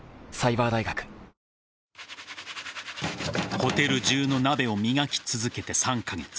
ホテル中の鍋を磨き続けて３カ月。